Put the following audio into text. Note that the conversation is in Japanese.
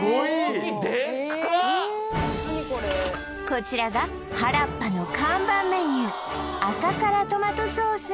こちらがはらっぱの看板メニュー